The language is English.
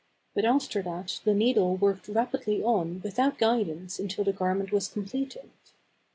But after that the needle worked rapidly on with out guidance until the garment was completed.